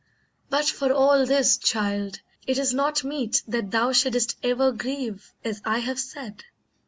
But for all this, child, It is not meet that thou shouldst ever grieve As I have said.